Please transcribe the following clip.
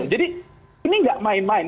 jadi ini tidak main main